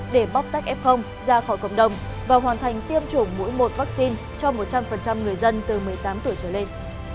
để bóc tách f ra khỏi cộng đồng và hoàn thành tiêm chủng mũi một vaccine cho một trăm linh người dân từ một mươi tám tuổi trở lên